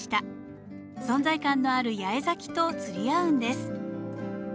存在感のある八重咲きと釣り合うんです。